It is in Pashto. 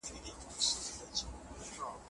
دا نبات هوا پاکوي او ښکلې کوي.